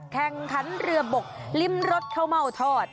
แข่งขันเรือบกริมรสข้าวเม่าทอด